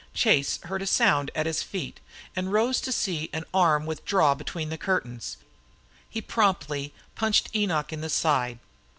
Chase heard a sound at his feet, and rose to see an arm withdrawn between the curtains. He promptly punched Enoch in the side.